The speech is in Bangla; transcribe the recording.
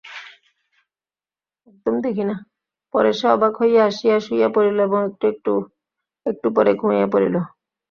পরে সে অবাক হইয়া আসিয়া শুইয়া পড়িল এবং একটু পরেই ঘুমাইয়া পড়িল।